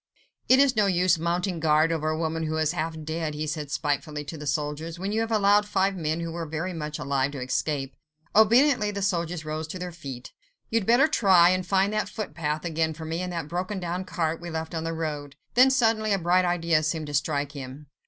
"It is no use mounting guard over a woman who is half dead," he said spitefully to the soldiers, "when you have allowed five men who were very much alive to escape." Obediently the soldiers rose to their feet. "You'd better try and find that footpath again for me, and that broken down cart we left on the road." Then suddenly a bright idea seemed to strike him.